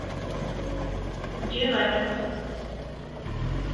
Ǧǧiɣ-ak-tt.